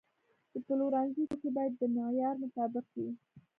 د پلورنځي توکي باید د معیار مطابق وي.